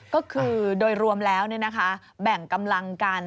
ก็คือโดยรวมแล้วแบ่งกำลังกัน